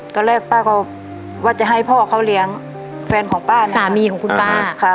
ป้าก็ว่าจะให้พ่อเขาเลี้ยงแฟนของป้านะสามีของคุณป้า